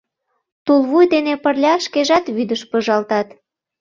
— Тулвуй дене пырля шкежат вӱдыш пыжалтат.